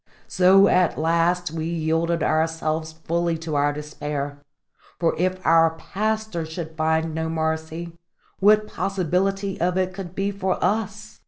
So at last we yielded ourselves fully to our despair; for if our pastor should find no mercy, what possibility of it could be for us!